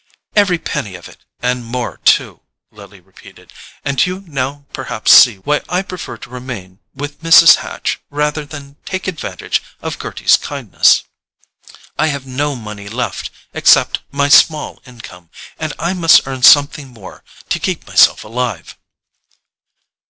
"Every penny of it, and more too," Lily repeated; "and you now perhaps see why I prefer to remain with Mrs. Hatch rather than take advantage of Gerty's kindness. I have no money left, except my small income, and I must earn something more to keep myself alive."